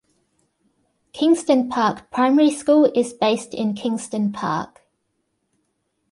Kingston Park Primary School is based in Kingston Park.